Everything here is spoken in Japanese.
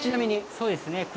そうですね。